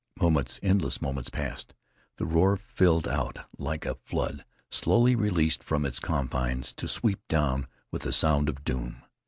Moments, endless moments, passed. The roar filled out like a flood slowly released from its confines to sweep down with the sound of doom.